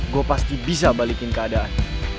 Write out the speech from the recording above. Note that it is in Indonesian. gue pasti bisa balikin keadaan